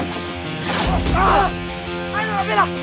kejar dia kejar